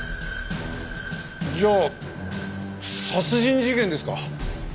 じゃあ殺人事件ですか？